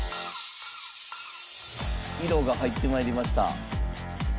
色が入って参りました。